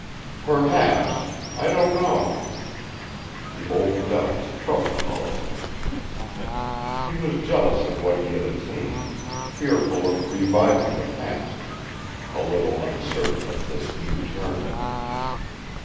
"Perhaps. I don't know." The old doubts troubled Hollister. He was jealous of what he had attained, fearful of reviving the past, a little uncertain of this new turn.